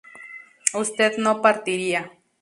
usted no partiría